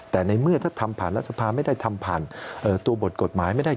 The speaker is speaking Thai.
แต่ในเมื่อถ้าทำผ่านรัฐสภาไม่ได้ทำผ่านตัวบทกฎหมายไม่ได้